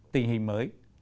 tình hình mới